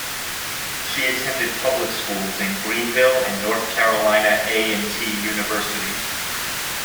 She attended public schools in Greenville and North Carolina A and T University.